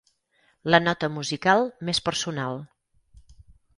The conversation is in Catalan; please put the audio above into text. La nota musical més personal.